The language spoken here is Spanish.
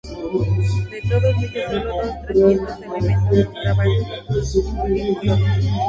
De todos ellos, solo dos o trescientos elementos mostraban inscripciones.